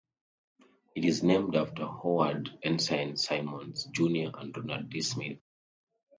It is named after Howard Ensign Simmons, Junior and Ronald D. Smith.